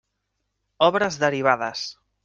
Obres derivades.